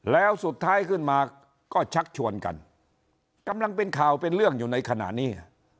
แล้วสุดท้ายขึ้นมาก็ชักชวนกันกำลังเป็นข่าวเป็นเรื่องอยู่ในขณะนี้